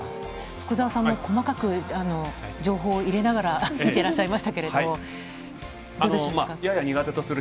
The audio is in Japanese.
福澤さんも細かく情報を入れながら、見てらっしゃいましたけれども、どうでしょう。